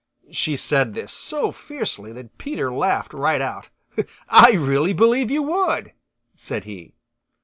She said this so fiercely that Peter laughed right out. "I really believe you would," said he.